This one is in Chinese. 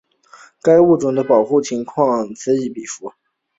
该物种的保护状况被评为近危。